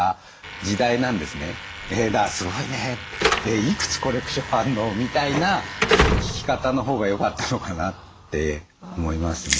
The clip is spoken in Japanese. だから「すごいねいくつコレクションあるの？」みたいな聞き方のほうがよかったのかなって思いますね。